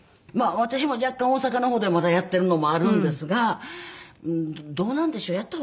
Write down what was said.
まあ私も若干大阪の方でまだやってるのもあるんですがどうなんでしょう？